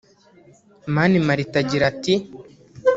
Mani Martin agira ati